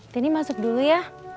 tini masuk dulu ya